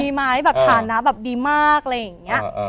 ไหมแบบฐานะแบบดีมากอะไรอย่างนี้